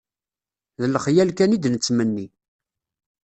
D lexyal kan i d-nettmenni